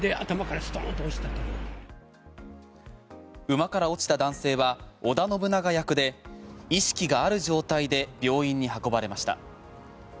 馬から落ちた男性は織田信長役で意識がある状態で病院に運ばれました。